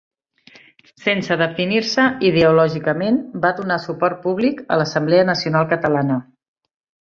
Sense definir-se ideològicament, va donar suport públic a l’Assemblea Nacional Catalana.